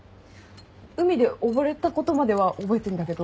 海で溺れたことまでは覚えてんだけど。